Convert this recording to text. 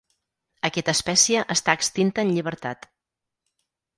Aquesta espècie està extinta en llibertat.